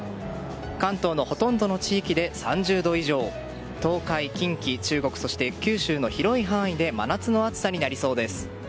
関東のほとんどの地域で３０度以上東海・近畿中国、九州の広い範囲で真夏の暑さになりそうです。